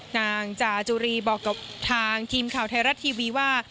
นางจาจุรีบอกกับทางทีมข่าวไทยรัฐทีวีว่า